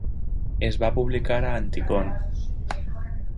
Es va publicar a Anticon.